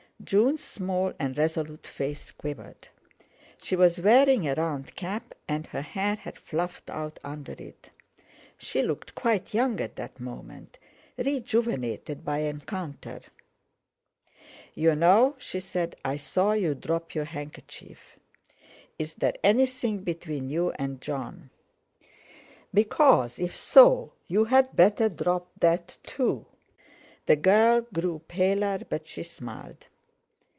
June's small and resolute face quivered. She was wearing a round cap, and her hair had fluffed out under it. She looked quite young at that moment, rejuvenated by encounter. "You know," she said, "I saw you drop your handkerchief. Is there anything between you and Jon? Because, if so, you'd better drop that too." The girl grew paler, but she smiled.